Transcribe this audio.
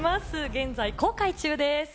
現在公開中です。